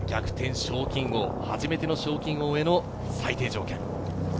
賞金王、初めての賞金王への最低条件。